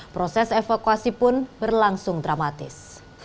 proses evakuasi pun berlangsung dramatis